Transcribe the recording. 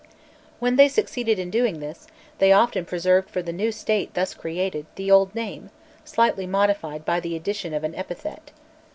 When they succeeded in doing this, they often preserved for the new state thus created, the old name, slightly modified by the addition of an epithet.